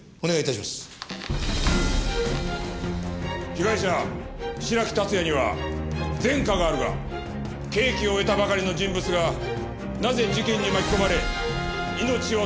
被害者白木竜也には前科があるが刑期を終えたばかりの人物がなぜ事件に巻き込まれ命を絶たれたのか。